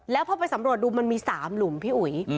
แล้วพอไปสำรวจดูมันมี๓หลุมพี่อุ๋ย